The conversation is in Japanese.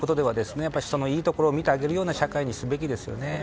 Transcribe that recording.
人のいいところを見てあげる社会にすべきですよね。